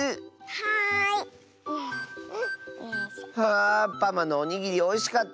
はあパマのおにぎりおいしかった！